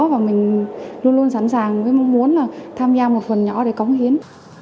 và mình luôn luôn sẵn sàng với mong muốn là tham gia một phần nhỏ để cống hiến